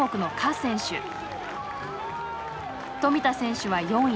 富田選手は４位。